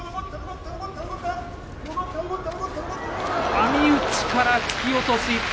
網打ちから突き落とし。